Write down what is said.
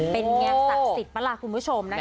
เป็นไงศักดิ์สิทธิ์ปะล่ะคุณผู้ชมนะคะ